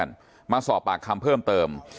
ที่อยู่ในคลิปแล้วกันมาสอบปากคำเพิ่มเติม